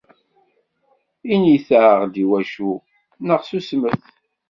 Init-aɣ-d iwacu, neɣ susmet!